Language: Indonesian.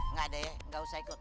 nggak deh nggak usah ikut